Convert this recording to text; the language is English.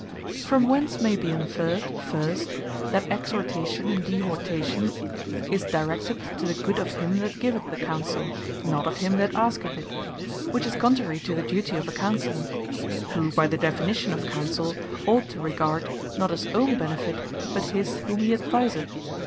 From whence may be inferred, First, that Exhortation and Dehortation, is directed to the Good of him that giveth the Counsell, not of him that asketh it, which is contrary to the duty of a Counsellour; who (by the definition of Counsell) ought to regard, not his own benefits, but his whom he adviseth.